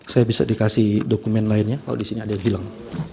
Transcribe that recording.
saya bisa dikasih dokumen lainnya kalau di sini ada yang hilang